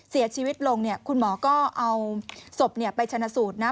เสียชีวิตลงเนี่ยคุณหมอก็เอาศพไปชนะสูตรนะ